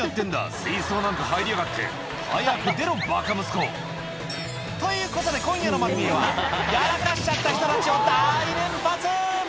水槽なんか入りやがって、早く出ろ、ばか息子。ということで、今夜のまる見えは、やらかしちゃった人たちを大連発。